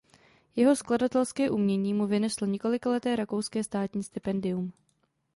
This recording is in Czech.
Jeho skladatelské umění mu vyneslo několikaleté rakouské státní stipendium.